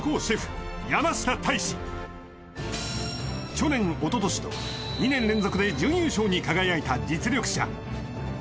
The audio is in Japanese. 去年おととしと２年連続で準優勝に輝いた実力者